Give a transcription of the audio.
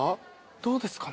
どうですかね？